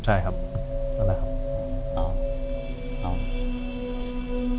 ใช่ครับนั่นแหละครับ